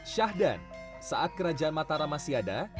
syahdan saat kerajaan mataram masih ada